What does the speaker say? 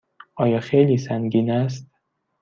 آیا خیلی سنگین است؟